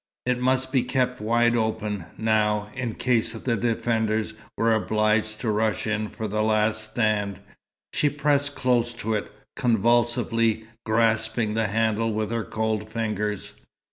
It must be kept wide open, now, in case the defenders were obliged to rush in for the last stand. She pressed close to it, convulsively grasping the handle with her cold fingers.